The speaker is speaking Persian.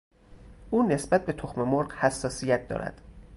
او نسبت به تخم مرغ حساسیت دارد.